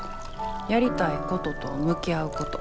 「やりたいことと向き合うこと」。